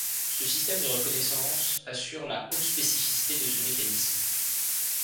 Ce système de reconnaissance assure la haute spécificité de ce mécanisme.